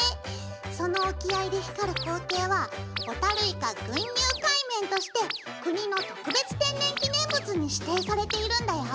その沖合で光る光景は「ホタルイカ郡遊海面」として国の特別天然記念物に指定されているんだよ。